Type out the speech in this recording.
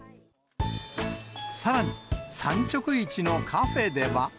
さらに、産直市のカフェでは。